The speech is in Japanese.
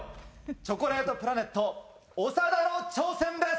チョコレートプラネット・長田の挑戦です。